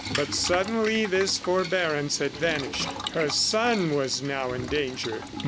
But suddenly this forbearance had vanished. Her son was now in danger.